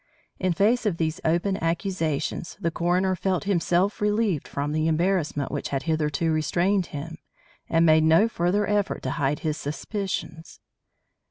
In face of these open accusations, the coroner felt himself relieved from the embarrassment which had hitherto restrained him, and made no further effort to hide his suspicions.